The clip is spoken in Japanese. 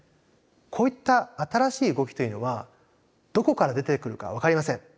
こういった新しい動きというのはどこから出てくるか分かりません。